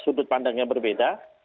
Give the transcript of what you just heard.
sudut pandangnya berbeda